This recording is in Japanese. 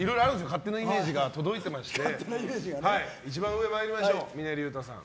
勝手なイメージが届いていまして一番上、峰竜太さん